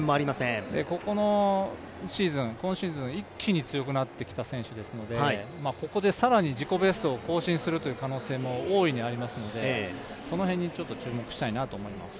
今シーズン一気に強くなってきた選手ですのでここで更に自己ベストを更新するという可能性も大いにありますのでその辺に、注目したいなと思います